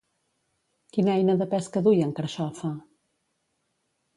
Quina eina de pesca duia en Carxofa?